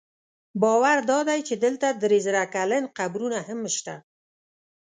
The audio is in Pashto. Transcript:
باور دا دی چې دلته درې زره کلن قبرونه هم شته.